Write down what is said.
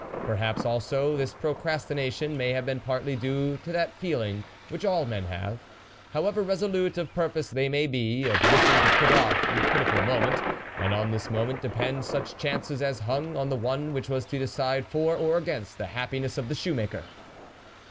Perhaps, also, this procrastination may have been partly due to that feeling which all men have, however resolute of purpose they may be, of wishing to put off the criti cal moment, when on this moment depend such chances as hung on the one which was to decide for or against the happiness of the shoemaker.